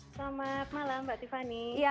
selamat malam mbak tiffany